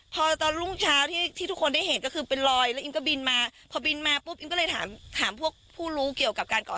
พอตอนรุ่งเช้าที่ทุกคนได้เห็นก็คือเป็นลอย